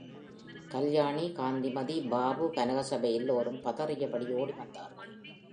கல்யாணி, காந்திமதி, பாபு, கனகசபை எல்லாரும் பதறியபடி ஓடி வந்தார்கள்.